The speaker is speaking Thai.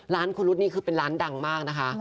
ร้านคุณรุ๊ดนี่คือเป็นร้านดังมากนะคะ